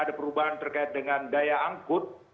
ada perubahan terkait dengan daya angkut